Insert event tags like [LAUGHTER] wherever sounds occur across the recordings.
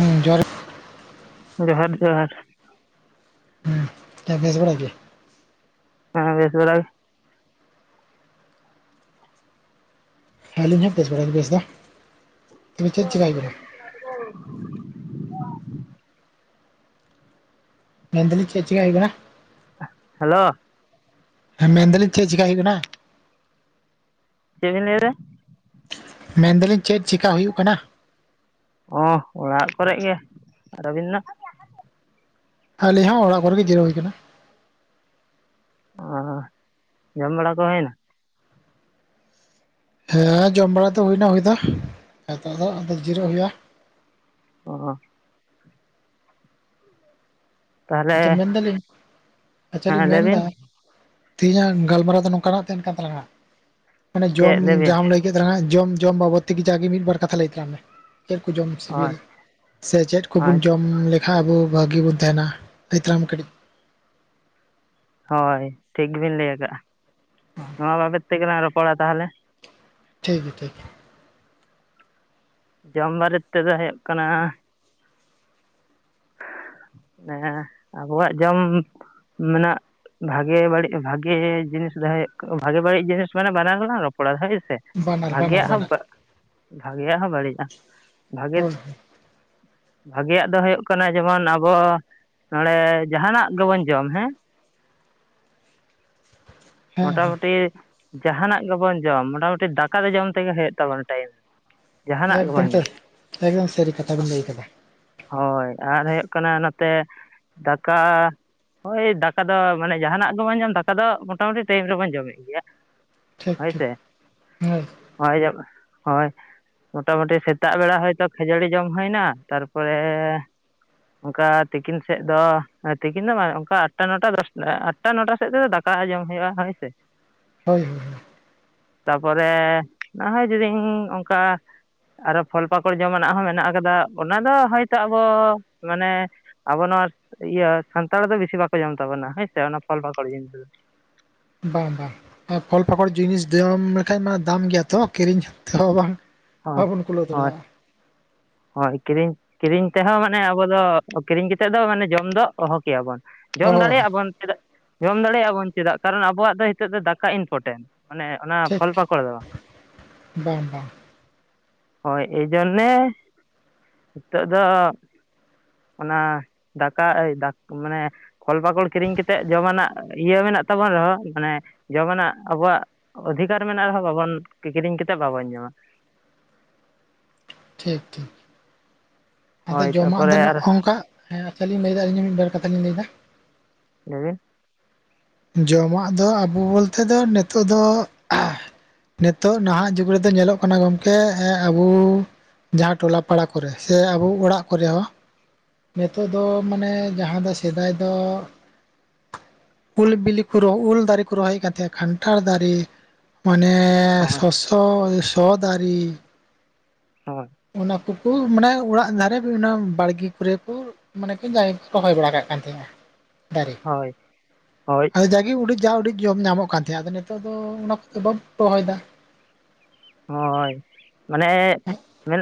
ᱦᱩᱸ ᱡᱚᱦᱟᱨ ᱡᱚᱦᱟᱨ ᱡᱚᱦᱟᱨ ᱦᱮᱸ ᱵᱮᱥ ᱵᱟᱲᱟ ᱜᱮ ᱦᱮᱸ ᱵᱮᱥ ᱵᱟᱲᱟ ᱜᱮ᱾ ᱦᱟᱞᱤᱧ ᱦᱟᱸ ᱵᱮᱥ ᱵᱟᱲᱟᱜᱮ ᱵᱮᱥ ᱫᱚ ᱛᱚᱵᱮ ᱪᱮᱫ ᱪᱤᱠᱟᱹᱭ ᱦᱩᱭᱩᱜ ᱠᱟᱱᱟ? ᱢᱮᱱ ᱫᱟᱞᱤᱧ ᱪᱮᱫ ᱪᱮᱠᱟ ᱦᱩᱭᱩᱜ ᱠᱟᱱᱟ? ᱦᱮᱞᱳ ᱦᱮᱸ ᱢᱮᱱ ᱮᱫᱟᱞᱤᱧ ᱪᱮᱫ ᱪᱮᱠᱟ ᱦᱩᱭᱩᱜ ᱠᱟᱱᱟ? ᱪᱮᱫ ᱵᱮᱱ ᱞᱟᱹᱭ ᱮᱫᱟ ᱢᱮᱱ ᱮᱫᱟᱞᱤᱧ ᱪᱮᱫ ᱪᱮᱠᱟ ᱦᱩᱭᱩᱜ ᱠᱟᱱᱟ? ᱚ ᱚᱲᱟᱜ ᱠᱚᱨᱮ ᱜᱮ ᱾ ᱟᱨ ᱟᱵᱤᱱ ᱱᱟᱦ? ᱟᱹᱞᱤᱧ ᱦᱚᱸ ᱚᱲᱟᱜ ᱠᱚᱨᱮᱜ ᱜᱮ ᱡᱤᱨᱟᱹᱣ ᱦᱩᱭ ᱟᱠᱟᱱᱟ᱾ ᱚ ᱡᱚᱢ ᱵᱟᱲᱟ ᱠᱚ ᱦᱩᱭ ᱮᱱᱟ? ᱦᱮᱸ ᱡᱚᱢ ᱵᱟᱲᱟ ᱫᱚ ᱦᱩᱭᱮᱱᱟ ᱦᱩᱭ ᱫᱚ ᱱᱤᱛᱚᱜ ᱫᱚ ᱟᱫᱚ ᱡᱤᱨᱟᱹᱜ ᱦᱩᱭᱩᱜᱼᱟ᱾ ᱚ ᱟᱪᱪᱷᱟ ᱛᱟᱦᱚᱞᱮ ᱢᱮᱱ ᱮᱫᱟᱞᱤᱧ ᱟᱪᱪᱷᱟ ᱞᱤᱧ ᱦᱮᱸ ᱞᱟᱹᱭ ᱢᱮᱱ ᱵᱤᱱ ᱮᱫᱟ ᱛᱮᱦᱮᱧᱟᱜ ᱜᱟᱞᱢᱟᱨᱟᱣ ᱫᱚ ᱱᱚᱝᱠᱟᱱᱟᱜ ᱛᱟᱦᱮᱱ ᱠᱟᱱ ᱛᱟᱞᱟᱝᱟ ᱢᱟᱱᱮ ᱡᱚᱢ ᱪᱮᱫ ᱵᱤᱱ ᱡᱟᱦᱟᱢ ᱞᱟᱹᱭ ᱡᱚᱢ ᱡᱚᱢ ᱵᱟᱵᱚᱫ ᱛᱮ ᱡᱟᱜᱮ ᱢᱤᱫ ᱵᱟᱨ ᱠᱟᱛᱷᱟ ᱞᱟᱹᱭ ᱛᱟᱠᱟᱫ ᱢᱮ ᱪᱮᱫ ᱠᱚ ᱡᱚᱢ ᱚ ᱥᱤᱵᱤᱞ ᱥᱮ ᱪᱮᱫ ᱠᱚᱵᱚᱱ ᱡᱚᱢ ᱞᱮᱠᱷᱟᱱ ᱟᱵᱚ ᱵᱷᱟᱜᱤ ᱵᱚᱱ ᱛᱟᱦᱮᱱᱟ᱾ ᱞᱟᱹᱭ ᱛᱟᱞᱟᱝ ᱢᱮ ᱠᱟᱴᱤᱡ ᱦᱳᱭ ᱴᱷᱤᱠ ᱵᱤᱱ ᱞᱟᱹᱭ ᱟᱠᱟᱜᱼᱟ ᱱᱚᱣᱟ ᱵᱟᱵᱚᱫ ᱛᱮᱜᱮᱞᱟᱝ ᱨᱚᱯᱚᱲᱟ ᱛᱟᱦᱚᱞᱮ᱾ ᱴᱷᱤᱠ ᱜᱮᱭᱟ ᱴᱷᱤᱠ ᱜᱮᱭᱟ ᱡᱚᱢ ᱵᱟᱨᱮ ᱛᱮᱫᱚ ᱦᱩᱭᱩᱜ ᱠᱟᱱᱟ ᱦᱮᱸ ᱟᱵᱚᱣᱟᱜ ᱡᱚᱢ ᱢᱮᱱᱟᱜ ᱵᱷᱟᱜᱮ ᱵᱟᱹᱲᱤᱡ ᱵᱷᱟᱜᱮ ᱡᱤᱱᱤᱥ ᱫᱚ ᱵᱷᱟᱜᱮ ᱵᱟᱹᱲᱤᱡ ᱡᱤᱱᱤᱥ ᱢᱟᱱᱮ ᱵᱟᱱᱟᱨ ᱜᱮᱞᱟᱝ ᱨᱚᱯᱚᱲᱟ ᱦᱳᱭᱥᱮ ᱵᱟᱱᱟᱨ ᱵᱟᱱᱟᱨ ᱵᱷᱟᱜᱮᱭᱟᱜ ᱦᱚᱸ ᱵᱟᱱᱟᱨ ᱵᱷᱟᱜᱮᱭᱟᱜ ᱦᱚᱸ ᱵᱟᱹᱲᱤᱡᱼᱟ ᱵᱷᱟᱜᱮ ᱦᱳᱭ ᱦᱳᱭ ᱵᱷᱟᱜᱮᱭᱟᱜ ᱫᱚ ᱦᱩᱭᱩᱜ ᱠᱟᱱᱟ ᱡᱮᱢᱚᱱ ᱟᱵᱚ ᱟᱵᱚ ᱱᱚᱰᱮ ᱡᱟᱦᱟᱱᱟᱜ ᱜᱮᱵᱚᱱ ᱡᱚᱢ ᱦᱮᱸ ᱦᱮᱸ ᱢᱚᱴᱟᱢᱩᱴᱤ ᱡᱟᱦᱟᱱᱟᱜ ᱜᱮᱵᱚᱱ ᱡᱚᱢ ᱢᱚᱴᱟᱢᱩᱴᱤ ᱫᱟᱠᱟ ᱫᱚ ᱡᱚᱢ ᱛᱮᱜᱮ ᱦᱩᱭᱩᱜ ᱛᱟᱵᱚᱱᱟ ᱴᱟᱭᱤᱢ ᱨᱮ ᱮᱠᱫᱚᱢ ᱛᱟᱹᱭ ᱮᱠᱫᱚᱢ ᱥᱟᱹᱨᱤ ᱠᱟᱛᱷᱟ ᱵᱮᱤᱱ ᱞᱟᱹᱭ ᱟᱠᱟᱫᱟ᱾ ᱦᱳᱭ ᱟᱨ ᱦᱩᱭᱩᱜ ᱠᱟᱱᱟ ᱱᱚᱛᱮ ᱫᱟᱠᱟ ᱦᱳᱭ ᱫᱟᱠᱟ ᱫᱚ ᱢᱟᱱᱮ ᱡᱟᱦᱟᱱᱟᱜ ᱜᱮᱵᱚᱱ ᱡᱚᱢ ᱫᱟᱠᱟ ᱫᱚ ᱢᱳᱴᱟᱢᱩᱴᱤ ᱴᱟᱭᱤᱢ ᱨᱮᱵᱚᱱ ᱡᱚᱢᱮᱫ ᱜᱮᱭᱟ ᱴᱷᱤᱠ ᱴᱷᱤᱠ ᱦᱳᱭᱥᱮ᱾ ᱦᱳᱭ ᱦᱳᱭ ᱡᱚᱢ ᱦᱳᱭ ᱢᱚᱴᱟ ᱢᱩᱴᱤ ᱥᱮᱛᱟᱜ ᱵᱮᱲᱟ ᱦᱚᱭᱛᱚ ᱠᱷᱟᱡᱟᱹᱲᱤ ᱡᱚᱢ ᱦᱩᱭ ᱮᱱᱟ ᱛᱟᱨᱯᱚᱨᱮ ᱚᱱᱠᱟ ᱛᱤᱠᱤᱱ ᱥᱮᱫ ᱫᱚ ᱛᱤᱠᱤᱱ ᱫᱚ ᱵᱟᱝ ᱚᱱᱠᱟ ᱟᱴᱴᱟ ᱱᱚᱴᱟ ᱫᱚᱥ ᱟᱴᱴᱟ ᱱᱚᱴᱟ ᱥᱮᱫ ᱛᱮᱫᱚ ᱫᱟᱠᱟ ᱡᱚᱢ ᱦᱩᱭᱩᱜ-ᱟ ᱦᱳᱭ ᱥᱮ ᱦᱳᱭ ᱦᱳᱭ ᱛᱟᱯᱚᱨᱮ ᱱᱚᱦᱚᱭ ᱡᱩᱫᱤ ᱚᱱᱠᱟ ᱟᱨᱚ ᱯᱷᱚᱞ ᱯᱟᱠᱚᱲ ᱡᱚᱢᱟᱱᱟᱜ ᱦᱚᱸ ᱢᱮᱱᱟᱜ ᱠᱟᱫᱟ ᱚᱱᱟ ᱫᱚ ᱦᱚᱭᱛᱳ ᱟᱵᱚ ᱢᱟᱱᱮ ᱟᱵᱚ ᱱᱚᱣᱟ ᱤᱭᱟᱹ ᱥᱟᱱᱛᱟᱲ ᱫᱚ ᱵᱮᱥᱤ ᱵᱟᱠᱚ ᱡᱚᱢ ᱛᱟᱵᱚᱱᱟ ᱦᱮᱸᱥᱮ ᱚᱱᱟ ᱯᱷᱚᱞ ᱯᱟᱠᱚᱲ ᱡᱤᱱᱤᱥ ᱫᱚ ᱵᱟᱝ ᱵᱟᱝ ᱯᱷᱚᱞ ᱯᱷᱟᱠᱚᱲ ᱡᱤᱱᱤᱥ ᱡᱚᱢ ᱞᱮᱠᱷᱟᱱ ᱢᱟ ᱫᱟᱢ ᱜᱮᱭᱟ ᱛᱚ ᱠᱤᱨᱤᱧ ᱛᱮᱦᱚ ᱵᱟᱝ ᱦᱚᱸ ᱵᱟᱵᱚᱱ ᱠᱩᱞᱟᱹᱣ ᱦᱳᱭ ᱫᱟᱲᱮᱭᱟᱜ-ᱟ ᱦᱳᱭ ᱠᱤᱨᱤᱧ ᱠᱤᱨᱤᱧ ᱛᱮᱦᱚᱸ ᱢᱟᱱᱮ ᱟᱵᱚ ᱫᱚ ᱠᱤᱨᱤᱧ ᱠᱟᱛᱮᱫ ᱫᱚ ᱢᱟᱱᱮ ᱡᱚᱢ ᱫᱚ ᱚᱦᱚ ᱠᱮᱭᱟᱵᱚᱱ ᱚ ᱡᱚᱢ ᱫᱟᱲᱮᱭᱟᱜ-ᱟ ᱵᱚᱱ ᱪᱮᱫᱟᱜ ᱡᱚᱢ ᱫᱟᱲᱮᱭᱟᱜ-ᱟ ᱵᱚᱱ ᱪᱮᱫᱟᱜ ᱠᱟᱨᱚᱱ ᱟᱵᱚᱣᱟᱜ ᱫᱚ ᱱᱤᱛᱚᱜ ᱫᱚ ᱫᱟᱠᱟ ᱤᱱᱯᱚᱴᱮᱱᱴ ᱢᱟᱱᱮ ᱚᱱᱟ ᱴᱷᱤᱠ ᱯᱷᱚᱞ ᱯᱟᱠᱚᱲ ᱫᱚ ᱵᱟᱝ ᱵᱟᱝ ᱦᱳ ᱮᱭᱡᱚᱱᱱᱮ ᱱᱤᱛᱚᱜ ᱫᱚ ᱚᱱᱟ ᱫᱟᱠᱟ ᱢᱟᱱᱮ ᱯᱷᱚᱞ ᱯᱟᱠᱚᱲ ᱠᱤᱨᱤᱧ ᱠᱟᱛᱮᱫ ᱡᱚᱢᱟᱱᱟᱜ ᱤᱭᱟᱹ ᱢᱮᱱᱟᱜ ᱛᱟᱵᱚᱱ ᱨᱮᱦᱚᱸ ᱢᱟᱱᱮ ᱡᱚᱢᱟᱱᱟᱜ ᱟᱵᱚᱣᱟᱜ ᱚᱫᱷᱤᱠᱟᱨ ᱢᱮᱱᱟᱜ ᱨᱮᱦᱚᱸ ᱵᱟᱵᱚᱱ ᱠᱤᱨᱤᱧ ᱠᱟᱛᱮᱫ ᱵᱟᱵᱚᱱ ᱡᱚᱢᱟ ᱴᱷᱤᱠ ᱴᱷᱤᱠ ᱟᱫᱚ ᱦᱳᱭ ᱡᱚᱢᱟᱜ ᱫᱚ ᱛᱟᱨᱯᱚᱨᱮ ᱟᱨ ᱱᱚᱜ-ᱱᱚᱝᱠᱟ ᱦᱮᱸ ᱟᱪᱷᱟ ᱞᱤᱧ ᱞᱟᱹᱭᱮᱫᱟ ᱟᱹᱞᱤᱧ ᱢᱤᱫᱵᱟᱨ ᱠᱟᱛᱷᱟᱞᱤᱧ ᱞᱟᱹᱭᱮᱫᱟ ᱞᱟᱹᱭᱵᱤᱱ ᱡᱚᱢᱟᱜ ᱫᱚ ᱟᱵᱚ ᱵᱚᱞᱛᱮ ᱫᱚ ᱱᱤᱛᱳᱜ ᱫᱚ ᱱᱤᱛᱚᱜ ᱱᱟᱦᱟᱜ ᱡᱩᱜᱽ ᱨᱮᱫᱚ ᱧᱮᱞᱚᱜ ᱠᱟᱱᱟ ᱜᱚᱝᱠᱮ ᱟᱵᱚ ᱡᱟᱦᱟᱸ ᱴᱚᱞᱟ ᱯᱟᱲᱟ ᱠᱚᱨᱮ ᱥᱮ ᱟᱵᱚ ᱚᱲᱟᱜ ᱠᱚᱨᱮ ᱦᱚᱸ ᱱᱤᱛᱚᱜ ᱫᱚ ᱢᱟᱱᱮ ᱡᱟᱦᱟᱸ ᱫᱚ ᱥᱮᱫᱟᱭ ᱫᱚ ᱩᱞ ᱵᱤᱞᱤ ᱠᱚ ᱩᱞ ᱫᱟᱨᱮ ᱠᱚ ᱨᱚᱦᱚᱭ ᱠᱟᱱᱛ ᱠᱟᱱᱴᱷᱟᱲ ᱫᱟᱨᱮ᱾ ᱢᱟᱱᱮ ᱦᱳᱭ ᱥᱚᱥᱚ ᱥᱚ ᱫᱟᱹᱨᱤ᱾ ᱦᱳᱭ ᱚᱱᱟ ᱠᱚᱠᱚ ᱢᱟᱱᱮ ᱚᱲᱟᱜ ᱫᱷᱟᱨᱮ ᱚᱱᱟ ᱵᱟᱲᱜᱮ ᱠᱚᱨᱮ ᱠᱚ᱾ ᱢᱟᱱᱮᱠᱤ ᱫᱟᱨᱮ ᱠᱚ ᱨᱚᱦᱚᱭ ᱵᱟᱲᱟ ᱠᱟᱜ ᱠᱟᱱ ᱛᱟᱦᱮ-ᱟ ᱫᱟᱨᱮ᱾ ᱦᱳᱭ ᱦᱳᱭ᱾ ᱫᱚ ᱡᱟᱜᱮ ᱩᱰᱤ ᱡᱟ ᱩᱰᱤ ᱡᱚᱢ ᱧᱟᱢᱚᱜ ᱠᱟᱱ ᱛᱟᱦᱮ-ᱟ ᱟᱫᱚ ᱱᱤᱛᱚᱜ ᱫᱚ ᱚᱱᱟ ᱠᱚᱫᱚ ᱵᱟᱢ ᱨᱚᱦᱚᱭᱮᱫᱟ᱾ ᱦᱳᱭ ᱢᱟᱱᱮ ᱢᱮᱱ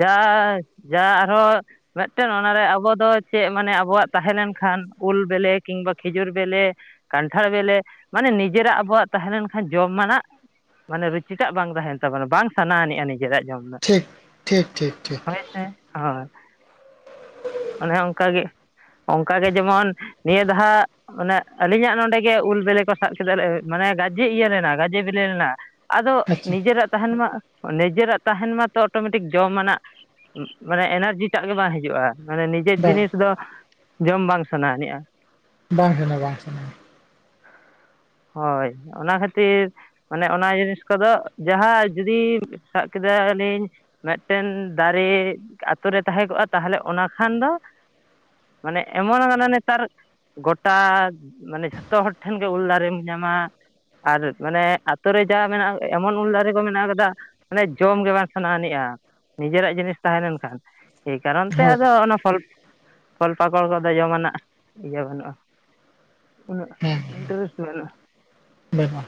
ᱜᱟᱭ ᱡᱟ ᱟᱨᱦᱚᱸ᱾ ᱢᱤᱫᱴᱮᱱ ᱚᱱᱟᱨᱮ ᱟᱵᱚ ᱫᱚ ᱪᱮᱫ ᱢᱟᱱᱮ ᱟᱵᱚᱣᱟᱜ ᱛᱟᱦᱮᱸ ᱞᱮᱱᱠᱷᱟᱱ ᱩᱞ ᱵᱤᱞᱮ ᱠᱤᱢᱵᱟ ᱠᱷᱮᱡᱩᱨ ᱵᱮᱞᱮ᱾ ᱠᱟᱱᱴᱷᱟᱲ ᱵᱮᱞᱮ ᱢᱟᱱᱮ ᱱᱤᱡᱮᱨᱟᱜ ᱟᱵᱚᱣᱟᱜ ᱛᱟᱦᱮᱸ ᱞᱮᱱᱠᱷᱟᱱ ᱡᱚᱢ ᱢᱟᱱᱟᱜ ᱢᱟᱱᱮ ᱨᱩᱪᱤ ᱴᱟᱜ ᱵᱟᱝ ᱛᱟᱦᱮᱱ ᱛᱟᱵᱚᱱᱟ ᱵᱟᱝ ᱥᱟᱱᱟ ᱟᱱᱤᱡ-ᱟ ᱱᱤᱡᱮᱨᱟᱜ ᱡᱚᱢ ᱫᱚ ᱴᱷᱤᱠ ᱴᱷᱤᱠ ᱴᱷᱤᱠ ᱴᱷᱤᱠ ᱦᱳᱭ᱾ ᱦᱳᱭ ᱚᱱᱮ ᱚᱱᱠᱟᱜ ᱜᱮ᱾ ᱚᱱᱠᱟ ᱜᱮ ᱡᱮᱢᱚᱱ ᱱᱤᱭᱟᱹ ᱫᱷᱟ᱾ ᱚᱱᱮ ᱟᱹᱞᱤᱧᱟᱜ ᱱᱚᱰᱮ ᱜᱮ ᱩᱞ ᱵᱤᱞᱤ ᱠᱚ ᱥᱟᱵ ᱠᱮᱫᱟ ᱢᱟᱱᱮ ᱜᱟᱡᱮ ᱤᱭᱟᱹ ᱞᱮᱱᱟ ᱜᱟᱡᱮ ᱵᱤᱞᱤᱱᱟ᱾ ᱟᱫᱚ ᱟᱪᱪᱷᱟ ᱱᱤᱡᱮᱨᱟᱜ ᱛᱟᱦᱮᱱ ᱢᱟ᱾ ᱱᱤᱡᱮᱨᱟᱜ ᱛᱟᱦᱮᱱ ᱢᱟᱛᱚ ᱚᱴᱳᱢᱮᱴᱤᱠ ᱡᱚᱢ ᱟᱱᱟᱜ ᱢᱟᱱᱮ ᱮᱱᱟᱨᱡᱤ ᱴᱟᱜ ᱜᱮ ᱵᱟᱝ ᱦᱤᱡᱩᱜ-ᱟ᱾ ᱢᱟᱱᱮ ᱱᱤᱡᱮᱨ ᱵᱟᱝ ᱡᱤᱱᱤᱥ ᱫᱚ ᱡᱚᱢ ᱵᱟᱝ ᱥᱟᱱᱟᱱᱤᱡ-ᱟ? ᱵᱟᱝ ᱥᱟᱱᱟ ᱵᱟᱝ ᱥᱟᱱᱟ᱾ ᱦᱳᱭ ᱚᱱᱟ ᱠᱷᱟᱹᱛᱤᱨ ᱢᱟᱱᱮ ᱚᱱᱟ ᱡᱤᱱᱤᱥ ᱠᱚᱫᱚ᱾ ᱡᱟᱦᱟᱸ ᱡᱩᱫᱤ ᱥᱟᱵ ᱠᱮᱫᱟ ᱞᱤᱧ᱾ ᱢᱤᱫᱴᱮᱱ ᱫᱟᱨᱮ ᱟᱛᱳ ᱨᱮ ᱛᱟᱦᱮᱸ ᱠᱚᱜ-ᱟ ᱛᱟᱦᱚᱞᱮ ᱚᱱᱟ ᱠᱷᱟᱱ ᱫᱚ᱾ ᱢᱟᱱᱮ ᱮᱢᱚᱱ ᱠᱟᱱᱟ ᱱᱮᱛᱟᱨ᱾ ᱜᱚᱴᱟ ᱢᱟᱱᱮ ᱡᱷᱚᱛᱚ ᱦᱚᱲ ᱴᱷᱮᱱ ᱜᱮ ᱩᱞ ᱫᱟᱨᱮᱢ ᱧᱟᱢᱟ᱾ ᱟᱨ ᱢᱟᱱᱮ ᱟᱛᱳ ᱨᱮ ᱡᱟ ᱢᱮᱱᱟᱜ-ᱟ᱾ ᱮᱢᱚᱱ ᱩᱞ ᱫᱟᱨᱮ ᱠᱚ ᱢᱮᱱᱟᱜ ᱟᱠᱟᱫᱟ ᱢᱟᱱᱮ ᱡᱚᱢ ᱜᱮ ᱵᱟᱝ ᱥᱟᱱᱟ ᱟᱹᱱᱤᱡ-ᱟ᱾ ᱱᱤᱡᱮᱨᱟᱜ ᱡᱤᱱᱤᱥ ᱛᱟᱦᱮᱸ ᱞᱮᱱᱠᱷᱟᱱ᱾ ᱮᱭ ᱠᱟᱨᱚᱱ ᱛᱮ ᱦᱳᱭ ᱟᱫᱚ ᱚᱱᱟ ᱯᱷᱚᱞ ᱯᱷᱚᱞ ᱯᱟᱠᱚᱲ ᱠᱚᱫᱚ ᱡᱚᱢᱟᱱᱟᱜ ᱤᱭᱟᱹ ᱵᱟᱹᱱᱩᱜ-ᱟ᱾ ᱩᱱᱟᱹᱜ ᱤᱱᱴᱟᱨᱮᱥᱴ ᱢᱮᱱᱟᱜ-ᱟ᱾ ᱵᱟᱹᱱᱩᱜ-ᱟ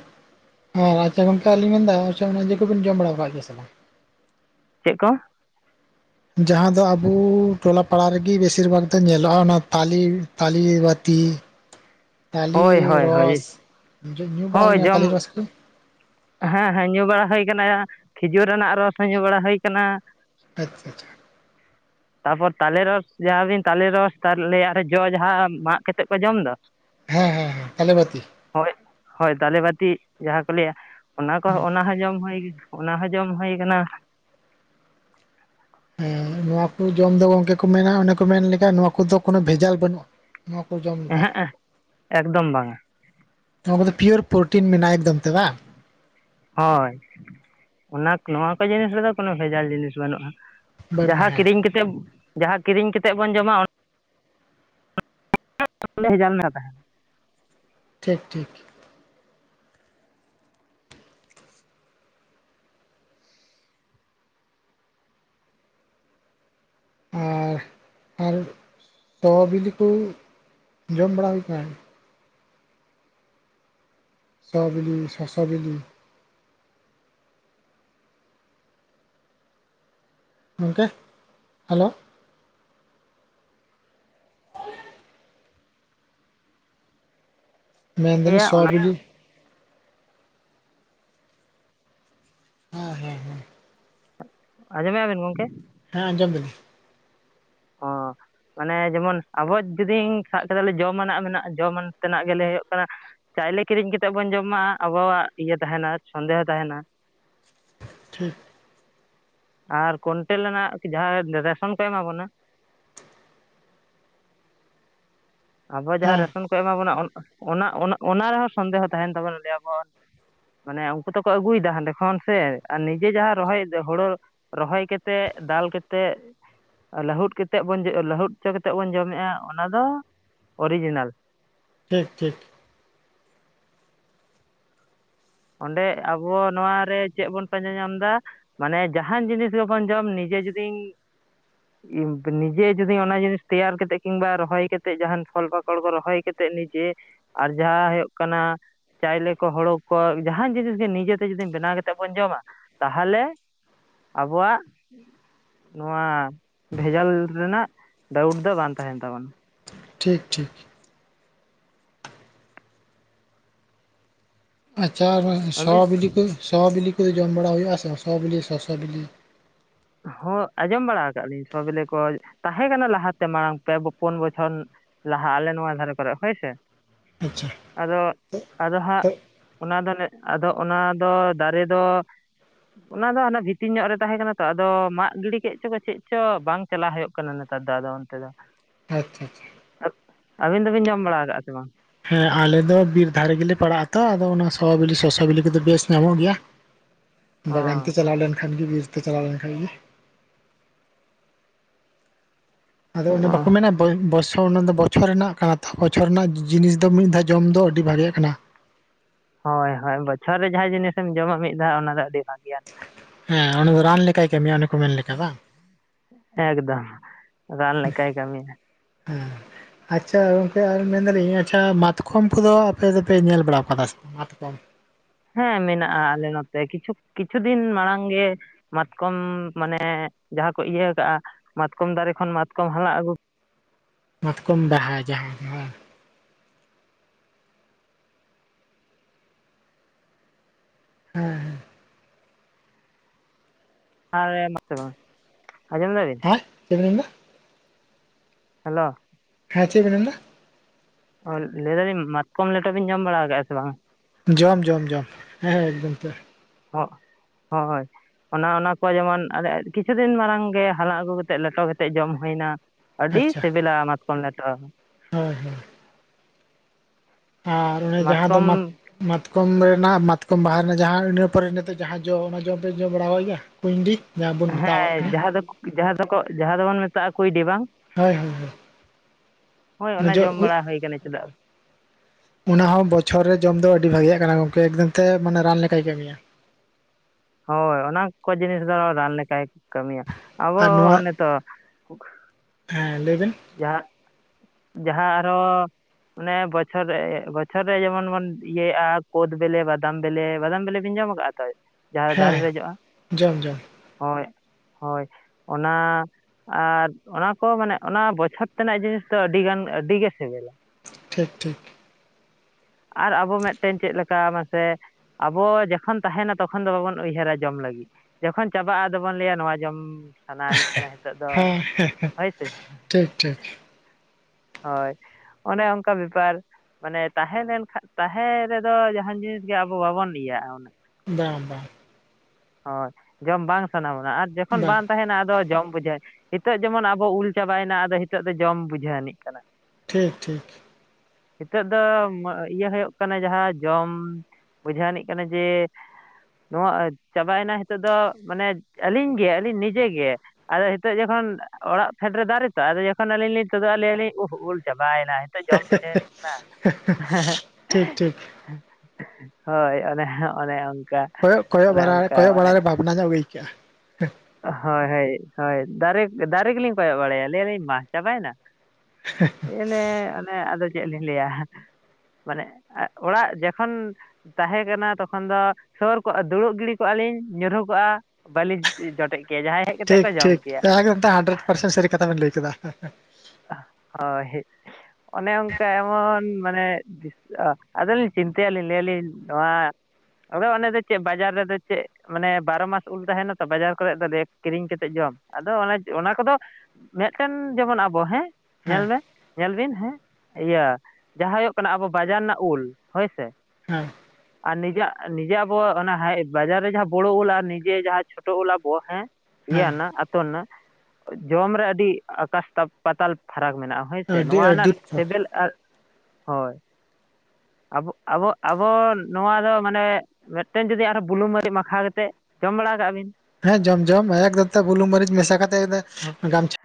ᱟᱨ ᱟᱪᱪᱷᱟ ᱜᱚᱝᱠᱮ ᱟᱹᱞᱤᱤᱧ ᱢᱮᱱ ᱮᱫᱟ ᱟᱪᱪᱷᱟ ᱚᱱᱟ ᱡᱮᱠᱚᱵᱮᱱ ᱡᱚᱢ ᱵᱟᱲᱟ ᱟᱠᱟᱫ ᱜᱮᱭᱟ ᱥᱮ ᱵᱟᱝ? ᱪᱮᱫ ᱠᱚ? ᱡᱟᱦᱟᱸ ᱫᱚ ᱟᱵᱩ ᱴᱚᱞᱟ ᱯᱟᱲᱟ ᱨᱮᱜᱤ ᱵᱮᱥᱤᱨ ᱵᱷᱟᱜᱽ ᱫᱚ ᱧᱮᱞᱚᱜ-ᱟ ᱚᱱᱟ ᱛᱟᱞᱤ ᱛᱟᱞᱤ ᱵᱟᱹᱛᱤ᱾ ᱛᱟᱞᱮ ᱦᱳᱭ ᱦᱳᱭ ᱦᱳᱭ ᱨᱚᱥ ᱧᱩ ᱵᱟᱲᱟ ᱦᱩᱭ ᱦᱳᱭ ᱠᱟᱱᱟ ᱡᱚᱢ ᱛᱟᱞᱮ ᱨᱚᱥ ᱠᱚ? ᱦᱮᱸ ᱦᱮᱸ ᱧᱩ ᱵᱟᱲᱟ ᱦᱩᱭ ᱠᱟᱱᱟ ᱠᱷᱤᱡᱩᱨ ᱨᱮᱱᱟᱜ ᱨᱚᱥ ᱦᱚᱸ ᱧᱩ ᱵᱟᱲᱟ ᱦᱩᱭ ᱠᱟᱱᱟ᱾ ᱟᱪᱪᱷᱟ ᱟᱪᱪᱷᱟ᱾ ᱛᱟᱯᱚᱨ ᱛᱟᱞᱮ ᱨᱚᱥ ᱡᱟᱦᱟ ᱵᱤᱱ ᱛᱟᱞᱮ ᱨᱚᱥ ᱛᱟᱦᱞᱮ ᱟᱨ ᱡᱚ ᱡᱟᱦᱟ ᱢᱟᱜ ᱠᱟᱛᱮᱜ ᱠᱚ ᱡᱚᱢ ᱫᱚ? ᱦᱮᱸ ᱦᱮᱸ ᱦᱮᱸ ᱛᱟᱞᱮ ᱵᱟᱹᱛᱤ᱾ ᱦᱳᱭ ᱦᱳᱭ ᱛᱟᱞᱮ ᱵᱟᱹᱛᱤ ᱡᱟᱦᱟ ᱠᱚ ᱞᱟᱹᱭᱟ ᱚᱱᱟ ᱠᱚ ᱚᱱᱟ ᱦᱚᱸ ᱡᱚᱢ ᱦᱚᱭ ᱜᱮ ᱚᱱᱟ ᱦᱚᱸ ᱡᱚᱢ ᱦᱳᱭ ᱠᱟᱱᱟ᱾ ᱦᱮᱸ ᱱᱚᱣᱟ ᱠᱚ ᱡᱚᱢ ᱫᱚ ᱜᱚᱝᱠᱮ ᱠᱚ ᱢᱮᱱᱟ ᱚᱱᱮ ᱠᱚ ᱢᱮᱱ ᱞᱮᱫᱟ ᱱᱚᱣᱟ ᱠᱚᱫᱚ ᱠᱳᱱᱳ ᱵᱷᱮᱡᱟᱞ ᱵᱟᱹᱱᱩᱜᱼᱟ᱾ ᱱᱚᱣᱟ ᱠᱚ ᱡᱚᱢ ᱞᱮᱫᱟ᱾ ᱮᱦᱮᱸᱜ ᱮᱠᱫᱚᱢ ᱵᱟᱝᱟ ᱱᱚᱣᱟ ᱠᱚᱫᱚ ᱯᱤᱭᱳᱨ ᱯᱨᱳᱴᱤᱱ ᱢᱮᱱᱟᱜᱼᱟ ᱮᱠᱫᱚᱢ ᱛᱮ ᱵᱟᱝ? ᱦᱳᱭ ᱚᱱᱟ ᱱᱚᱣᱟ ᱠᱚ ᱡᱤᱱᱤᱥ ᱨᱮᱫᱚ ᱠᱳᱱᱳ ᱵᱷᱮᱡᱟᱞ ᱡᱤᱱᱤᱥ ᱵᱟᱹᱱᱩᱜᱼᱟ ᱵᱟᱹᱱᱩᱜᱼᱟ ᱡᱟᱦᱟᱸ ᱦᱮᱸ ᱠᱤᱨᱤᱧ ᱠᱟᱛᱮ ᱡᱟᱦᱟᱸ ᱠᱤᱨᱤᱧ ᱠᱟᱛᱮᱫ ᱵᱚᱱ ᱡᱚᱢᱟ ᱚᱱᱟ [UNINTELLIGIBLE] ᱮ ᱦᱟᱮᱡᱟᱞᱱᱟ ᱛᱟᱦᱮᱫ [UNINTELLIGIBLE] ᱴᱷᱤᱠ ᱴᱷᱤᱠ᱾ ᱟᱨ ᱟᱨ ᱛᱚᱣᱟ ᱵᱤᱞᱤ ᱠᱚ ᱡᱚᱢ ᱵᱟᱲᱟ ᱦᱩᱭ ᱠᱟᱱ ᱥᱚ ᱵᱤᱞᱤ ᱥᱚᱥᱚ ᱵᱤᱞᱤ ᱜᱚᱢᱠᱮ ᱦᱮᱞᱳ᱾ ᱢᱮᱱᱫᱟᱞᱤᱧ ᱚᱱᱟ ᱥᱚᱵᱤᱞᱤ᱾ ᱦᱟ ᱦᱮᱸ ᱦᱮᱸ᱾ ᱟᱡᱚᱢᱮᱜᱼᱟ ᱵᱤᱱ ᱜᱚᱢᱠᱮ ᱦᱮᱸ ᱟᱸᱡᱚᱢ ᱫᱟᱹᱞᱤᱧ ᱚ ᱢᱟᱱᱮ ᱡᱮᱢᱚᱱ ᱟᱵᱚ ᱡᱩᱫᱤ ᱥᱟᱵ ᱠᱮᱫᱟ ᱞᱮᱧ ᱡᱚᱢᱱᱟᱜ ᱢᱮᱱᱟᱜᱼᱟ ᱡᱚᱢ ᱛᱮᱱᱟᱜ ᱜᱮ ᱞᱟᱭ ᱦᱩᱭᱩᱜ ᱠᱟᱱᱟ ᱪᱟᱭᱞᱮ ᱠᱤᱨᱤᱧ ᱠᱟᱛᱮᱫ ᱵᱚᱱ ᱡᱚᱢᱟ ᱟᱵᱚᱣᱟᱜ ᱤᱭᱟᱹ ᱛᱟᱦᱮᱱᱟ ᱥᱚᱱᱫᱮᱦᱚ ᱛᱟᱦᱮᱱᱟ᱾ ᱴᱷᱤᱠ ᱟᱨ ᱠᱳᱱᱴᱮᱞ ᱨᱮᱱᱟᱜ ᱡᱟᱸᱦᱟ ᱨᱮᱥᱚᱱ ᱠᱚ ᱮᱢᱟ ᱵᱚᱱᱟ ᱟᱵᱚ ᱡᱟᱸᱦᱟ ᱦᱮᱸ ᱨᱮᱥᱚᱱ ᱠᱚ ᱮᱢᱟ ᱵᱚᱱᱟ ᱚᱱᱟ ᱚᱱᱟ ᱨᱮᱦᱚᱸ ᱥᱚᱱᱫᱮᱦᱚ ᱛᱟᱦᱮᱱ ᱛᱟᱵᱚᱱᱟ ᱞᱟᱭᱟ ᱵᱚᱱ ᱢᱟᱱᱮ ᱩᱱᱠᱩ ᱛᱠᱚ ᱟᱹᱜᱩᱭᱫᱟ ᱦᱟᱸᱰᱮ ᱠᱷᱚᱱ ᱥᱮ ᱟᱨ ᱱᱤᱡᱮ ᱡᱟᱸᱦᱟ ᱨᱚᱦᱚᱭ ᱦᱳᱲᱳ ᱨᱚᱦᱚᱭ ᱠᱟᱛᱮᱜ ᱫᱟᱞ ᱠᱟᱛᱮᱜ ᱞᱟᱹᱦᱩᱫ ᱠᱟᱛᱮᱫ ᱵᱚᱱ ᱞᱟᱹᱦᱩᱫ ᱦᱚᱪᱚ ᱠᱟᱛᱮᱫ ᱵᱚᱱ ᱡᱚᱢᱮᱜᱼᱟ ᱚᱱᱟ ᱫᱚ ᱚᱨᱤᱡᱮᱱᱟᱞ ᱴᱷᱤᱠ ᱴᱷᱤᱠ ᱚᱸᱰᱮ ᱟᱵᱚ ᱱᱚᱣᱟᱨᱮ ᱪᱮᱫ ᱵᱚᱱ ᱯᱟᱸᱡᱟ ᱧᱟᱢ ᱫᱟ ᱢᱟᱱᱮ ᱡᱟᱦᱟᱱ ᱡᱤᱱᱤᱥ ᱜᱮᱵᱚᱱ ᱡᱚᱢ ᱱᱤᱡᱮ ᱡᱩᱫᱤ ᱥᱮᱸ ᱥᱮᱸ ᱱᱤᱡᱮ ᱡᱩᱫᱤ ᱚᱱᱟ ᱡᱤᱱᱤᱥ ᱛᱮᱭᱟᱨ ᱠᱟᱛᱮᱜ ᱠᱤᱝᱵᱟ ᱨᱚᱦᱚᱭ ᱠᱟᱛᱮᱜ ᱡᱟᱦᱟᱱ ᱯᱷᱚᱞ ᱯᱟᱠᱚᱲ ᱠᱚ ᱨᱚᱦᱚᱭ ᱠᱟᱛᱮᱜ ᱱᱤᱡᱮ ᱟᱨ ᱡᱟᱸᱦᱟ ᱦᱳᱭᱳᱜ ᱠᱟᱱᱟ ᱪᱟᱭᱞᱮ ᱠᱚ ᱦᱳᱲᱳ ᱛᱚ ᱡᱟᱦᱟᱱ ᱡᱤᱱᱤᱥ ᱜᱮ ᱱᱤᱡᱮᱛᱮ ᱡᱩᱫᱤ ᱵᱮᱱᱟᱣ ᱠᱟᱛᱮ ᱵᱚᱱ ᱡᱚᱢᱟ ᱛᱟᱦᱚᱞᱮ᱾ ᱟᱵᱚ ᱣᱟᱜ ᱱᱚᱣᱟ ᱵᱷᱮᱡᱟᱞ ᱨᱮᱱᱟᱜ ᱰᱟᱣᱩᱴ ᱫᱚ ᱵᱟᱝ ᱛᱟᱦᱮᱱ ᱛᱟᱵᱚᱱᱟ ᱴᱷᱤᱠ ᱴᱷᱤᱠ ᱟᱪᱪᱷᱟ ᱢᱟᱭ ᱥᱚ ᱟᱹᱵᱤᱱ ᱵᱤᱞᱤ ᱠᱚ ᱥᱚ ᱵᱤᱞᱤ ᱠᱚᱫᱚ ᱡᱚᱢ ᱵᱟᱲᱟ ᱦᱩᱭᱩᱜ ᱟᱥᱮ ᱵᱟᱝ ᱥᱚ ᱵᱤᱞᱤ ᱥᱚᱥᱚ ᱵᱤᱞᱤ ᱦᱚᱸ ᱟᱸᱡᱚᱢ ᱵᱟᱲᱟ ᱟᱠᱟᱫ ᱞᱤᱧ ᱥᱚᱵᱮᱞᱮ ᱠᱚ ᱛᱟᱦᱮᱸ ᱠᱟᱱᱟ ᱞᱟᱦᱟᱛᱮ ᱢᱟᱲᱟᱝ ᱯᱮ ᱯᱚᱯᱳᱱ ᱵᱚᱪᱷᱚᱨ ᱞᱟᱦᱟ ᱟᱞᱮ ᱱᱚᱣᱟ ᱫᱷᱟᱨᱮ ᱠᱚᱨᱮ ᱦᱳᱭ ᱥᱮ ᱟᱪᱪᱷᱟ ᱟᱫᱚ ᱟᱫᱚ ᱦᱟᱸᱜ ᱟᱪᱪᱷᱟ ᱚᱱᱟ ᱫᱚ ᱟᱫᱚ ᱚᱱᱟ ᱫᱚ ᱫᱟᱨᱮ ᱫᱚ ᱚᱱᱟ ᱫᱚ ᱟᱱᱟ ᱵᱷᱤᱛᱤᱨ ᱧᱚᱜ ᱨᱮ ᱛᱟᱦᱮᱸ ᱠᱟᱱᱟ ᱛᱚ ᱟᱫᱚ ᱢᱟᱜ ᱜᱤᱰᱤ ᱠᱮᱫ ᱪᱚ ᱠᱚ ᱪᱮᱫ ᱪᱚ ᱵᱟᱝ ᱪᱟᱞᱟᱜ ᱦᱩᱭᱩᱜ ᱠᱟᱱᱟ ᱱᱮᱛᱟᱨ ᱫᱚ ᱟᱫᱚ ᱚᱱᱛᱮ ᱫᱚ ᱟᱪᱪᱷᱟ ᱟᱹᱵᱤᱱ ᱫᱚᱵᱤᱱ ᱡᱚᱢ ᱵᱟᱲᱟ ᱟᱠᱟᱫᱼᱟ ᱥᱮ ᱵᱟᱝ ᱦᱮᱸ ᱟᱞᱮᱫᱚ ᱵᱤᱨ ᱫᱷᱟᱨᱮ ᱜᱮᱞᱮ ᱯᱟᱲᱟᱜ ᱟ ᱛᱚ ᱟᱫᱚ ᱚᱱᱟ ᱥᱚᱵᱤᱞᱤ ᱥᱚᱥᱚᱵᱤᱞᱤ ᱠᱚᱫᱚ ᱵᱮᱥ ᱧᱟᱢᱚᱜ ᱜᱮᱭᱟ ᱚ ᱵᱟᱜᱟᱱ ᱛᱮ ᱪᱟᱞᱟᱣ ᱞᱮᱱᱠᱷᱟᱱ ᱜᱮ ᱵᱤᱨ ᱛᱮ ᱪᱟᱞᱟᱣ ᱞᱮᱱᱠᱷᱟᱱ ᱜᱮ ᱟᱫᱚ ᱚ ᱵᱟᱠᱚ ᱢᱮᱱᱟ ᱵᱚᱪᱷᱚᱨ ᱚᱱᱟ ᱫᱚ ᱵᱚᱪᱷᱚᱨ ᱨᱮᱱᱟᱜ ᱠᱟᱱᱟ ᱛᱚ ᱵᱚᱪᱷᱚᱨ ᱨᱮᱱᱟᱜ ᱡᱤᱱᱤᱥ ᱫᱚ ᱢᱤᱫ ᱫᱷᱟᱣ ᱡᱚᱢ ᱫᱚ ᱟᱹᱰᱤ ᱵᱷᱟᱜᱮᱭᱟᱜ ᱠᱟᱱᱟ᱾ ᱦᱳᱭ ᱦᱳᱭ ᱵᱚᱪᱷᱚᱨ ᱨᱮ ᱡᱟᱦᱟᱸ ᱡᱤᱱᱤᱥᱮᱢ ᱡᱚᱢᱟ ᱢᱤᱫ ᱫᱷᱟᱣ ᱚᱱᱟ ᱫᱚ ᱟᱹᱰᱤ ᱵᱷᱟᱜᱮᱭᱟ᱾ ᱦᱮᱸ ᱩᱱᱤ ᱫᱚ ᱨᱟᱱ ᱞᱮᱠᱟᱭ ᱠᱟᱹᱢᱤᱭᱟ ᱩᱱᱤ ᱠᱚ ᱢᱮᱱ ᱞᱮᱠᱟ ᱵᱟᱝ᱾ ᱮᱠᱫᱚᱢ ᱨᱟᱱ ᱞᱮᱠᱟᱹᱭ ᱠᱟᱹᱢᱤᱭᱟ᱾ ᱦᱮᱸ ᱟᱪᱪᱷᱟ ᱜᱚᱝᱠᱮ ᱟᱨ ᱢᱮᱱ ᱫᱟᱞᱤᱧ ᱟᱪᱪᱷᱟ ᱢᱟᱛᱠᱚᱢ ᱠᱚᱫᱚ ᱟᱯᱮ ᱫᱚᱯᱮ ᱧᱮᱞ ᱵᱟᱲᱟ ᱟᱠᱟᱫᱟ᱾ ᱢᱟᱛᱠᱚᱢ ᱦᱮᱸ ᱢᱮᱱᱟᱜᱼᱟ ᱟᱞᱮ ᱱᱚᱛᱮ ᱠᱤᱪᱷᱩ ᱠᱤᱪᱷᱩ ᱫᱤᱱ ᱢᱟᱲᱟᱝ ᱜᱮ ᱢᱟᱛᱠᱚᱢ ᱢᱟᱱᱮ ᱡᱟᱦᱟᱸ ᱠᱚ ᱤᱭᱟᱹ ᱠᱟᱜᱼᱟ ᱢᱟᱛᱠᱚᱢ ᱫᱟᱨᱮ ᱠᱷᱚᱱ ᱢᱟᱛᱠᱚᱢ ᱦᱟᱞᱟᱜ ᱟᱹᱜᱩ ᱢᱟᱛᱠᱚᱢ ᱵᱟᱦᱟ ᱡᱟᱦᱟᱸ ᱦᱮᱸ ᱦᱮᱸ ᱦᱮ ᱢᱟ ᱞᱟᱹᱭ ᱵᱮᱱ ᱟᱡᱚᱢ ᱫᱟᱵᱤᱧ ᱪᱮᱫᱵᱤᱱ ᱢᱮᱱᱫᱟ ᱦᱮᱞᱳ ᱦᱮᱸ ᱪᱮᱫ ᱵᱮᱱ ᱢᱮᱱ ᱮᱫᱟ ᱚ ᱞᱟᱹᱭ ᱫᱟᱞᱤᱧ ᱢᱟᱛᱠᱚᱢ ᱞᱮᱴᱚ ᱵᱤᱱ ᱡᱚᱢ ᱵᱟᱲᱟ ᱠᱟᱜᱼᱟ ᱥᱮ ᱵᱟᱝ᱾ ᱡᱚᱢ ᱡᱚᱢ ᱡᱚᱢ ᱦᱮᱸ ᱮᱠᱫᱚᱢ ᱛᱮ ᱦᱚ ᱦᱳᱭ ᱚᱱᱟ ᱚᱱᱟ ᱠᱚ ᱡᱮᱢᱚᱱ ᱠᱤᱪᱷᱩ ᱫᱤᱱ ᱢᱟᱲᱟᱝ ᱜᱮ ᱦᱟᱞᱟᱝ ᱟᱹᱜᱩ ᱠᱟᱛᱮᱜ ᱞᱮᱴᱚ ᱠᱟᱛᱮᱜ ᱡᱚᱢ ᱦᱩᱭᱱᱟ ᱟᱹᱰᱤ ᱟᱪᱪᱷᱟ ᱥᱤᱵᱤᱞᱟ ᱢᱟᱛᱠᱚᱢ ᱞᱮᱴᱚ ᱦᱳᱭ ᱦᱳᱭ ᱟᱨ ᱚᱱᱮ ᱡᱟᱦᱟᱸ ᱫᱚ ᱢᱟᱛᱠᱚᱢ ᱢᱟᱛᱼᱼ ᱢᱟᱛᱠᱚᱢ ᱨᱮᱱᱟᱜ ᱢᱟᱛᱠᱚᱢ ᱵᱟᱦᱟ ᱨᱮᱱᱟᱜ ᱡᱟᱦᱟᱸ ᱤᱱᱟᱹ ᱯᱚᱨᱮ ᱱᱤᱛᱚᱜ ᱡᱟᱦᱟᱸ ᱡᱚ ᱚᱱᱟ ᱡᱚ ᱯᱮ ᱡᱚᱢ ᱵᱟᱲᱟᱣ ᱟᱠᱟᱫ ᱜᱮᱭᱟ? ᱠᱩᱸᱭᱰᱤ ᱡᱟᱦᱟᱸ ᱵᱚᱱ ᱢᱮᱛᱟᱣᱟᱜ ᱦᱮᱸ ᱠᱟᱱᱟ ᱡᱟᱦᱟᱸ ᱫᱚ ᱡᱟᱦᱟᱸ ᱫᱚᱠᱚ ᱡᱟᱦᱟᱸ ᱫᱚᱵᱚᱱ ᱢᱮᱛᱟᱜᱼᱟ ᱠᱩᱭᱰᱤ ᱵᱟᱝ ᱦᱳᱭ ᱦᱳᱭ ᱦᱳᱭ ᱦᱳᱭ ᱚᱱᱟ ᱡᱚᱢ ᱵᱟᱲᱟ ᱦᱩᱭ ᱠᱟᱱᱟ ᱪᱮᱫᱟᱜ ᱚᱱᱟ ᱦᱚᱸ ᱵᱚᱪᱷᱚᱨ ᱨᱮ ᱡᱚᱢ ᱫᱚ ᱟᱹᱰᱤ ᱵᱷᱟᱜᱤᱭᱟᱜ ᱠᱟᱱᱟ ᱜᱚᱝᱠᱮ ᱮᱠᱫᱚᱢ ᱛᱮ ᱢᱟᱱᱮ ᱨᱟᱱ ᱞᱮᱠᱟᱭ ᱠᱟᱹᱢᱤᱭᱟ ᱦᱳᱭ ᱚᱱᱟ ᱠᱚ ᱡᱤᱱᱤᱥ ᱫᱚ ᱨᱟᱱ ᱞᱮᱠᱟᱭ ᱠᱟᱹᱢᱤᱭᱟ ᱟᱵᱚ ᱟᱨ ᱱᱚᱣᱟ ᱱᱤᱛᱚᱜ ᱦᱮᱸ ᱞᱟᱹᱭᱵᱮᱱ ᱡᱟᱦᱟᱸ ᱡᱟᱦᱟᱸ ᱟᱨᱚ ᱚᱱᱮ ᱵᱚᱪᱷᱚᱨ ᱨᱮ ᱵᱚᱪᱷᱚᱨ ᱨᱮ ᱡᱮᱢᱚᱱ ᱵᱚᱱ ᱤᱭᱟᱹᱭᱮᱫᱼᱟ ᱠᱳᱫᱽ ᱵᱮᱞᱮ ᱵᱟᱫᱟᱢ ᱵᱮᱞᱮ ᱾ ᱵᱟᱫᱟᱢ ᱵᱮᱞᱮ ᱵᱤᱱ ᱡᱚᱢ ᱟᱠᱟᱫᱼᱟ? ᱡᱟᱦᱟᱸ ᱫᱟᱨᱮ ᱦᱮᱸ ᱨᱮ ᱡᱚᱜᱼᱟ ᱡᱚᱢ ᱡᱚᱢ ᱦᱳᱭ ᱦᱳᱭ ᱚᱱᱟ ᱟᱨ ᱚᱱᱟ ᱠᱚ ᱢᱟᱱᱮ ᱚᱱᱟ ᱵᱚᱪᱷᱚᱨ ᱛᱮᱱᱟᱜ ᱡᱤᱱᱤᱥ ᱫᱚ ᱟᱹᱰᱤ ᱜᱟᱱ ᱟᱹᱰᱤ ᱜᱮ ᱥᱤᱵᱤᱞᱟ ᱴᱷᱤᱠ ᱴᱷᱤᱠ ᱟᱨ ᱟᱵᱚ ᱢᱤᱫᱴᱮᱱ ᱪᱮᱫ ᱞᱮᱠᱟ ᱢᱟᱥᱮ ᱟᱵᱚ ᱡᱚᱠᱷᱚᱱ ᱛᱟᱦᱮᱱᱟ ᱛᱚᱠᱷᱚᱱ ᱫᱚ ᱵᱟᱵᱚᱱ ᱩᱭᱦᱟᱹᱨᱟ ᱡᱚᱢ ᱞᱟᱹᱜᱤᱫ ᱡᱚᱠᱷᱚᱱ ᱪᱟᱵᱟᱜᱼᱟ ᱟᱫᱚ ᱵᱚᱱ ᱞᱟᱹᱭᱟ ᱱᱚᱣᱟ ᱡᱚᱢ ᱥᱟᱱᱟ ᱟᱹᱱᱤᱡ ᱠᱟᱱᱟ ᱱᱤᱛᱚᱜ ᱫᱚ ᱦᱮᱸ ᱦᱮᱸ ᱦᱳᱭ ᱥᱮ ᱴᱷᱤᱠ ᱴᱷᱤᱠ ᱦᱳᱭ ᱚᱱᱮ ᱚᱱᱠᱟ ᱵᱮᱯᱟᱨ ᱢᱟᱱᱮ ᱛᱟᱦᱮᱸ ᱞᱮᱱᱠᱷᱟᱱ ᱛᱟᱦᱮᱸ ᱨᱮᱫᱚ ᱡᱟᱦᱟᱱ ᱡᱤᱱᱤᱥ ᱜᱮ ᱟᱵᱚ ᱵᱟᱵᱚᱱ ᱤᱭᱟᱹᱜᱼᱟ ᱚᱱᱟ ᱵᱟᱝ ᱵᱟᱝ ᱦᱳᱭ ᱡᱚᱢ ᱵᱟᱝ ᱥᱟᱱᱟ ᱵᱚᱱᱟ ᱟᱨ ᱡᱚᱠᱷᱚᱱ ᱵᱟᱝ ᱛᱟᱦᱮᱱᱟ ᱟᱫᱚ ᱡᱚᱢ ᱵᱩᱡᱷᱟᱹᱜ ᱱᱤᱛᱚᱜ ᱡᱮᱢᱚᱱ ᱟᱵᱚ ᱩᱞ ᱪᱟᱵᱟᱭᱮᱱᱟ ᱟᱫᱚ ᱱᱤᱛᱚᱜ ᱫᱚ ᱡᱚᱢ ᱵᱩᱡᱷᱟᱹᱣ ᱟᱹᱱᱤᱡ ᱠᱟᱱᱟ ᱴᱷᱤᱠ ᱴᱷᱤᱠ ᱱᱤᱛᱚᱜ ᱫᱚ ᱤᱭᱟᱹ ᱦᱩᱭᱩᱜ ᱠᱟᱱᱟ ᱡᱟᱦᱟᱸ ᱡᱚᱢ ᱵᱩᱡᱷᱟᱹᱣᱟᱱᱤᱡ ᱠᱟᱱᱟ ᱡᱮ ᱱᱚᱣᱟ ᱪᱟᱵᱟᱭᱮᱱᱟ ᱱᱤᱛᱚᱜ ᱫᱚ ᱢᱟᱱᱮ ᱟᱹᱞᱤᱧ ᱜᱮ ᱟᱹᱞᱤᱧ ᱱᱤᱡᱮ ᱜᱮ ᱟᱫᱚ ᱱᱤᱛᱚᱜ ᱡᱚᱠᱷᱚᱱ ᱚᱲᱟᱜ ᱯᱷᱮᱰ ᱨᱮ ᱫᱟᱨᱮ ᱛᱚ ᱟᱫᱚ ᱡᱚᱠᱷᱚᱱ ᱟᱹᱞᱤᱧ ᱞᱤᱧ ᱛᱩᱫᱩᱜ ᱟᱹᱞᱤᱧ ᱩᱞ ᱪᱟᱵᱟᱭᱮᱱᱟ ᱡᱚᱢ ᱵᱩᱡᱷᱟᱹᱣ ᱟᱱᱤᱡ ᱠᱟᱱᱟ ᱴᱷᱤᱠ ᱴᱷᱤᱠ [UNINTELLIGIBLE] ᱦᱳᱭ ᱚᱱᱮ ᱚᱱᱮ ᱚᱱᱠᱟ ᱠᱚᱭᱚᱜ ᱠᱚᱭᱚᱜ ᱚᱱᱮ ᱵᱟᱲᱟ ᱚᱱᱠᱟ ᱠᱚᱭᱚᱜ ᱚᱱᱮ ᱵᱟᱲᱟᱨᱮ ᱵᱷᱟᱵᱽᱱᱟ ᱧᱚᱜ ᱟᱹᱭᱠᱟ. ᱜᱼᱟ ᱦᱳᱭ ᱦᱳᱭ ᱦᱳᱭ ᱫᱟᱨᱮ ᱫᱟᱨᱮ ᱜᱮᱞᱤᱧ ᱠᱚᱭᱚᱜ ᱵᱟᱲᱟᱭᱟ ᱞᱟᱹᱭ ᱞᱤᱧ ᱢᱟ ᱪᱟᱵᱟᱭᱮᱱᱟ [UNINTELLIGIBLE] ᱮ ᱚᱱᱮ ᱟᱫᱚ ᱪᱮᱫ ᱞᱤᱧ ᱞᱟᱹᱭᱟ ᱢᱟᱱᱮ ᱚᱲᱟᱜ ᱡᱚᱠᱷᱚᱱ ᱛᱟᱦᱮᱸ ᱠᱟᱱᱟ ᱛᱚᱠᱷᱚᱱ ᱫᱚ ᱥᱩᱨ ᱠᱚᱜᱼᱟ ᱫᱩᱲᱩᱵ ᱜᱤᱰᱤ ᱠᱚᱜᱼᱟ ᱞᱤᱧ ᱧᱩᱨᱦᱩ ᱠᱚᱜᱼᱟ ᱵᱟᱹᱞᱤᱧ ᱡᱚᱴᱮᱫ ᱠᱮᱭᱟ ᱡᱟᱦᱟᱸᱭ ᱦᱮᱡ ᱠᱟᱛᱮᱜ ᱴᱷᱤᱠ ᱠᱚ ᱡᱚᱢ ᱴᱷᱤᱠ ᱠᱮᱭᱟ [UNINTELLIGIBLE] ᱯᱟᱨᱥᱮᱱ ᱥᱟᱹᱨᱤ ᱠᱟᱛᱷᱟ ᱵᱮᱱ ᱞᱟᱹᱭ ᱠᱮᱫᱟ ᱦᱳᱭ ᱚᱱᱮ ᱚᱱᱠᱟ ᱮᱢᱚᱱ ᱢᱟᱱᱮ ᱟᱫᱚᱞᱤᱧ ᱪᱤᱱᱛᱟᱹᱭᱟᱞᱤᱧ ᱞᱟᱹᱭ ᱟᱞᱤᱧ ᱱᱚᱣᱟ ᱟᱫᱚ ᱚᱱᱮ ᱫᱚ ᱪᱮᱫ ᱵᱟᱡᱟᱨ ᱨᱮᱫᱚ ᱪᱮᱫ ᱢᱟᱱᱮ ᱵᱟᱨᱚ ᱢᱟᱥ ᱩᱞ ᱛᱟᱦᱮᱱᱟ ᱛᱚ ᱵᱟᱡᱟᱨ ᱠᱚᱨᱮ ᱫᱚ ᱠᱤᱨᱤᱧ ᱠᱟᱛᱮᱜ ᱡᱚᱢ ᱟᱫᱚ ᱚᱱᱟ ᱠᱚᱫᱚ ᱢᱮᱫᱴᱮᱱ ᱡᱮᱢᱚᱱ ᱟᱵᱚ ᱦᱮᱸ ᱧᱮᱞ ᱦᱮᱸ ᱢᱮ ᱧᱮᱞ ᱵᱤᱱ ᱦᱮᱸ ᱤᱭᱟᱹ ᱡᱟᱦᱟᱸ ᱦᱩᱭᱩᱜ ᱠᱟᱱᱟ ᱟᱵᱚ ᱵᱟᱡᱟᱨ ᱨᱮᱱᱟᱜ ᱩᱞ ᱦᱳᱭ ᱥᱮ [UNINTELLIGIBLE] ᱟᱨ ᱱᱤᱡᱮ ᱱᱤᱡᱮ ᱟᱵᱚ ᱚᱱᱟ ᱵᱟᱡᱟᱨ ᱨᱮ ᱡᱟᱦᱟᱸ ᱵᱚᱲᱚ ᱩᱞ ᱱᱤᱡᱮ ᱡᱟᱦᱟᱸ ᱪᱷᱳᱴᱳ ᱩᱞ ᱟᱵᱚ ᱦᱮᱸ ᱤᱭᱟᱹ ᱦᱮᱸ ᱨᱮᱱᱟᱜ ᱟᱛᱳ ᱨᱮᱱᱟᱜ ᱡᱚᱢ ᱨᱮ ᱟᱹᱰᱤ ᱟᱠᱟᱥᱛᱟᱵ ᱯᱟᱛᱟᱞ ᱯᱷᱟᱨᱟᱠ ᱢᱮᱱᱟᱜᱼᱟ ᱦᱳᱭ ᱥᱮ ᱟᱹᱰᱤ ᱱᱚᱣᱟ ᱟᱹᱰᱤ ᱨᱮᱱᱟᱜ ᱥᱤᱵᱮᱞ ᱟᱨ ᱦᱳᱭ ᱟᱵᱚ ᱟᱵᱚ ᱟᱵᱚ ᱱᱚᱣᱟ ᱫᱚ ᱢᱟᱱᱮ ᱢᱤᱫᱴᱮᱱ ᱡᱩᱫᱤ ᱟᱨᱦᱚ ᱵᱩᱞᱩᱝ ᱢᱟᱹᱨᱤᱡ ᱢᱟᱠᱷᱟᱣ ᱠᱟ ᱠᱟᱛᱮᱫ ᱡᱚᱢ ᱵᱟᱲᱟ ᱠᱟᱜ ᱵᱤᱱ ᱦᱮᱸ ᱡᱚᱢ ᱡᱚᱢ ᱮᱠᱫᱚ ᱵᱩᱞᱩᱝ ᱢᱟᱹᱨᱤᱪ ᱢᱮᱥᱟ ᱠᱟᱛᱮ ᱜᱟᱢᱪᱷᱟ